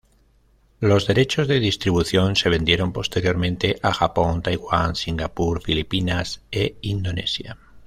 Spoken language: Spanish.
Los derechos de distribución se vendieron posteriormente a Japón, Taiwán, Singapur, Filipinas e Indonesia.